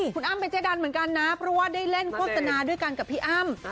คุณอ้ำเป็นเจ๊ดันเหมือนกันนะเพราะว่าได้เล่นโฆษณาด้วยกันกับพี่อ้ำ